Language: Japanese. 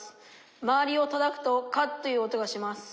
まわりをたたくと『カッ』という音がします。